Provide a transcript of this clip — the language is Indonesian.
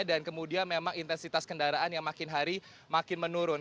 dan kemudian memang intensitas kendaraan yang makin hari makin menurun